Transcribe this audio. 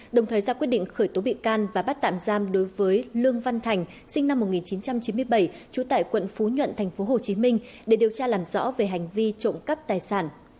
đồng thời ra quyết định khởi tố bị can và bắt tạm giam đối với lương văn thành sinh năm một nghìn chín trăm chín mươi bảy trú tại quận phú nhuận tp hcm để điều tra làm rõ về hành vi trộm cắp tài sản